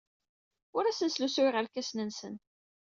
Ur asen-slusuyeɣ irkasen-nsen.